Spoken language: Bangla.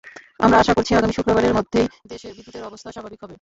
আমরা আশা করছি, আগামী শুক্রবারের মধ্যেই দেশে বিদ্যুতের অবস্থা স্বাভাবিক হবে।